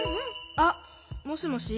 あっもしもし。